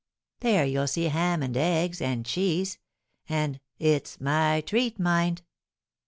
There you'll see ham and eggs, and cheese, and It's my treat, mind!"